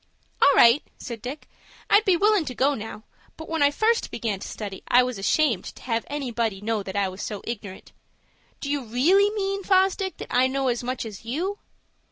"All right," said Dick. "I'd be willin' to go now; but when I first began to study I was ashamed to have anybody know that I was so ignorant. Do you really mean, Fosdick, that I know as much as you?"